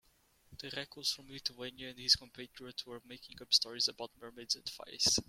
The recluse from Lithuania and his compatriot were making up stories about mermaids and fays.